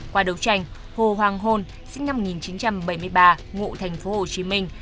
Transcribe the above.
qua đấu tranh hồ hoàng hôn sinh năm một nghìn chín trăm bảy mươi ba ngụ thành phố hồ chí minh